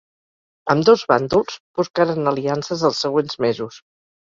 Ambdós bàndols buscaren aliances els següents mesos.